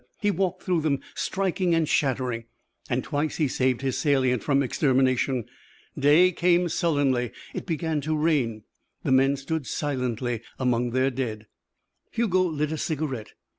He walked through them striking and shattering. And twice he saved his salient from extermination. Day came sullenly. It began to rain. The men stood silently among their dead. Hugo lit a cigarette.